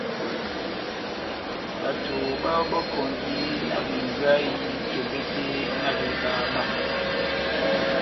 Bato bayɔbɔkɔndi na membwayï tombete na bebama.